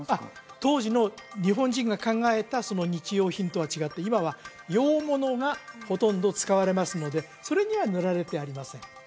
当時の日本人が考えた日用品とは違って今は洋物がほとんど使われますのでそれには塗られてありません